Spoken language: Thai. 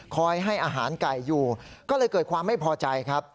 ให้อาหารไก่อยู่ก็เลยเกิดความไม่พอใจครับ